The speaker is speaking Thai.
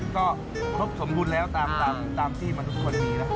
ก็ทบสมบุญแล้วตามที่มันทุกคนมีนะ